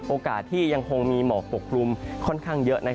โอกาสที่ยังคงมีหมอกปกครุมค่อนข้างเยอะ